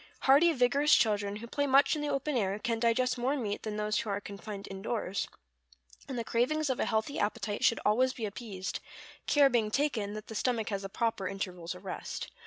Hearty, vigorous children, who play much in the open air, can digest more meat than those who are confined indoors; and the cravings of a healthy appetite should always be appeased, care being taken that the stomach has the proper intervals of rest.